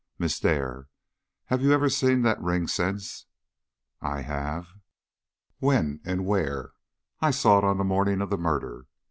"Miss Dare, have you ever seen that ring since?" "I have." "When and where?" "I saw it on the morning of the murder.